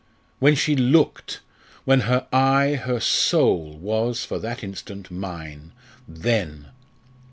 When she looked when her eye, her soul, was, for that instant, mine, then!